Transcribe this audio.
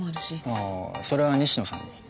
あぁそれは西野さんに。